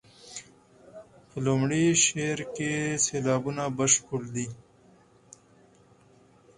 په لومړي شعر کې سېلابونه بشپړ دي.